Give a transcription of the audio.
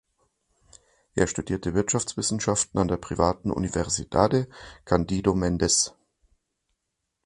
Er studierte Wirtschaftswissenschaften an der privaten Universidade Candido Mendes.